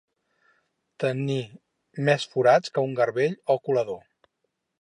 Tenir més forats que un garbell o colador.